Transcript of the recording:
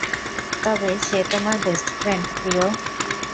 তবে সে তোমার বেস্ট ফ্রেন্ড, প্রিয়।